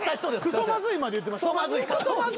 「くそまずい」って言ってました。